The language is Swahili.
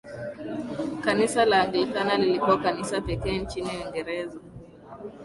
kanisa la anglikana lilikuwa kanisa pekee nchini uingereza